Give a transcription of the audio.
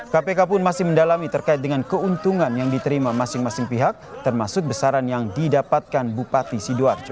kpk pun masih mendalami terkait dengan keuntungan yang diterima masing masing pihak termasuk besaran yang didapatkan bupati sidoarjo